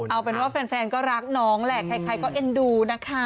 เอาเป็นว่าแฟนก็รักน้องแหละใครก็เอ็นดูนะคะ